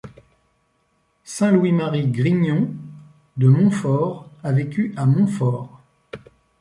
Saint Louis-Marie Grignion de Montfort a vécu à Montfort.